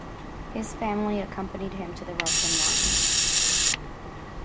His family accompanied him to the Russian lines.